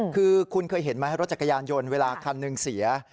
คือคุณเคยเห็นไหมรถจักรยานยนต์เวลาคันหนึ่งเสีย